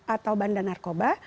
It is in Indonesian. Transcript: atau bandan narkoba